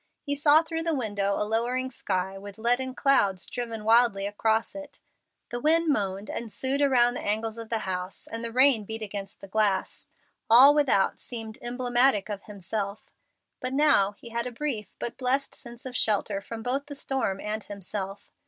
He saw through the window a lowering sky with leaden clouds driven wildly across it. The wind moaned and soughed around the angles of the house, and the rain beat against the glass. All without seemed emblematic of himself. But now he had a brief but blessed sense of shelter from both the storm and himself.